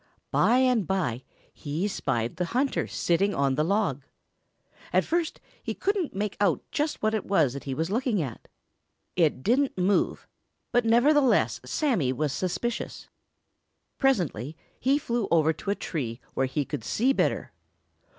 By and by he spied the hunter sitting on the log. At first he couldn't make out just what it was he was looking at. It didn't move, but nevertheless Sammy was suspicious. Presently he flew over to a tree where he could see better.